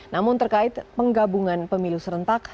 namun terkait penggabungan pemilu serentak